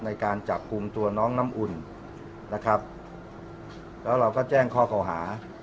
ในการจับกลุ่มตัวน้องน้ำอุ่นนะครับแล้วเราก็แจ้งข้อเก่าหา